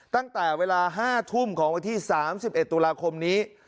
ตั้งแต่เวลา๕ทุ่มของวันที่๓๑ตุลาคมนี้